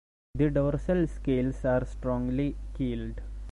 The dorsal scales are strongly keeled.